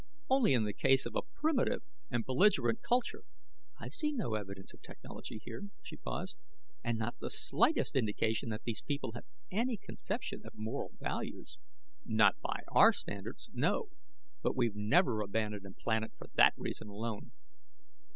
"Only in the case of a primitive and belligerent culture " "I've seen no evidence of technology here." She paused. "And not the slightest indication that these people have any conception of moral values." "Not by our standards, no; but we've never abandoned a planet for that reason alone."